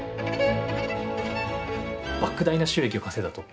ばく大な収益を稼いだと。